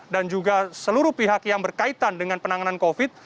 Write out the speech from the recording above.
juga seluruh pihak yang berkaitan dengan penanganan covid